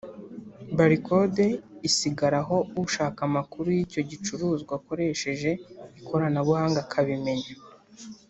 barcode isigaraho ushaka amakuru y’icyo gicuruzwa akoresheje ikoranabuhanga akabimenya